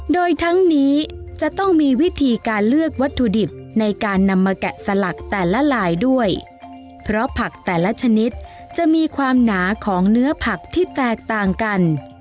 โดยทั้งนี้จะต้องมีวิธีการเลือกวัตถุดิบในการนำมาแกะสลักแต่ละลายด้วยเพราะผักแต่ละชนิดจะมีความหนาของเนื้อผักที่แตกต่างกัน